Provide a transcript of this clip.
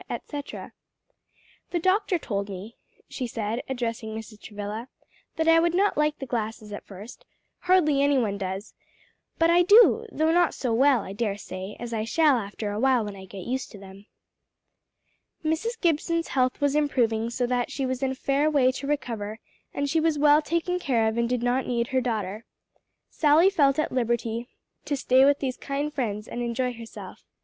etc. "The doctor told me," she said, addressing Mrs. Travilla, "that I would not like the glasses at first, hardly any one does; but I do, though not so well, I dare say, as I shall after a while when I get used to them." Mrs. Gibson's health was improving so that she was in a fair way to recover and as she was well taken care of and did not need her daughter, Sally felt at liberty to stay with these kind friends and enjoy herself.